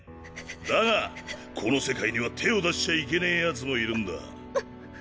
だがこの世界には手を出しちゃいけねえヤツもいるんだ。